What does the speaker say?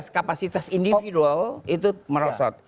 kapasitas individual itu merosot